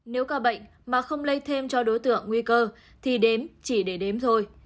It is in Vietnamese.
nếu ca bệnh mà không lây thêm cho đối tượng nguy cơ thì đến chỉ để đếm thôi